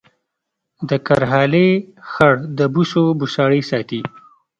د کرهالې خړ د بوسو بوساړې ساتي